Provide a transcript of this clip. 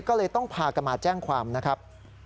ก็เลยต้องพากันมาแจ้งความนะครับ